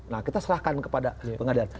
nah kita serahkan kepada pengadilan